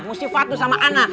mesti fatu sama anak